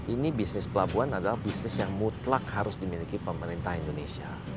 ini bisnis pelabuhan adalah bisnis yang mutlak harus dimiliki pemerintah indonesia